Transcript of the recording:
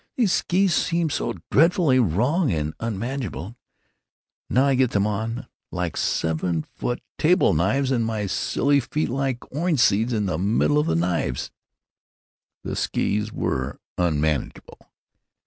"These skees seem so dreadfully long and unmanageable, now I get them on. Like seven foot table knives, and my silly feet like orange seeds in the middle of the knives!" The skees were unmanageable.